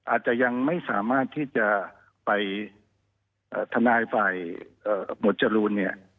อาจจะยังไม่สามารถที่จะไปเอ่อทนายฝ่ายเอ่อหมดจรุลเนี่ย